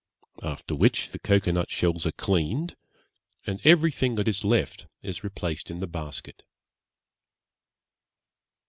After which the cocoa nut shells are cleaned, and everything that is left is replaced in the basket.'